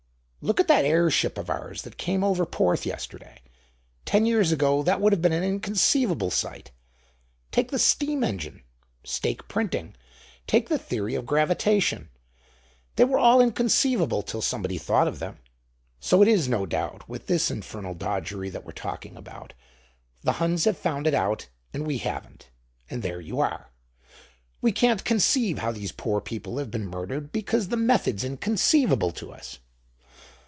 Look at that airship of ours that came over Porth yesterday: ten years ago that would have been an inconceivable sight. Take the steam engine, stake printing, take the theory of gravitation: they were all inconceivable till somebody thought of them. So it is, no doubt, with this infernal dodgery that we're talking about: the Huns have found it out, and we haven't; and there you are. We can't conceive how these poor people have been murdered, because the method's inconceivable to us."